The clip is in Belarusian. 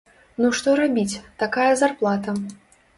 Ну што рабіць, такая зарплата!